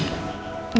gak usah mas